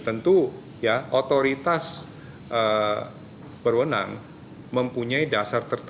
tentu ya otoritas perwenang mempunyai dasar tersebut